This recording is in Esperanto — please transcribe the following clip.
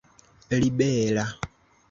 libera